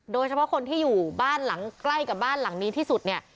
โดยเฉพาะคนที่อยู่บ้านหลังใกล้กับบ้านหลังนี้ที่สุดเนี่ย